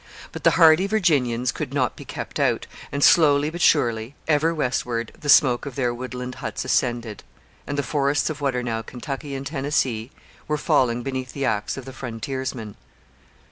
But the hardy Virginians could not be kept out, and slowly but surely ever westward the smoke of their woodland huts ascended, and the forests of what are now Kentucky and Tennessee were falling beneath the axe of the frontiersmen.